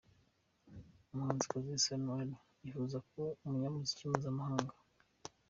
Umuhanzikazi Sano Alyn yifuza kuba umunyamuziki mpuzamahanga.